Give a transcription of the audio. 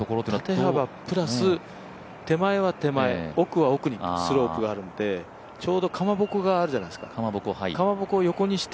縦幅プラス、手前は手前、奥は奥にスロープがあるんで、ちょうど、かまぼこがあるじゃないですか、かまぼこを横にして